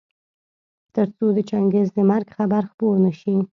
تر څو د چنګېز د مرګ خبر خپور نه شي.